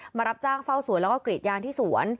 มารับจ้างเฝ้าสวนแล้วก็กรีดยางที่สวน